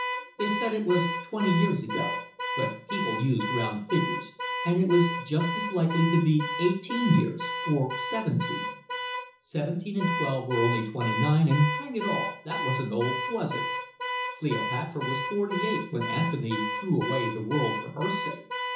They said it was twenty years ago, but people used round figures, and it was just as likely to be eighteen years, or seventeen. Seventeen and twelve were only twenty nine, and hang it all, that wasn't old, was it? Cleopatra was forty eight when Antony threw away the world for her sake.